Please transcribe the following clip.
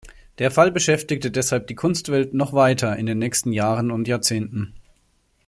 Der Fall beschäftigte deshalb die Kunstwelt noch weiter in den nächsten Jahren und Jahrzehnten.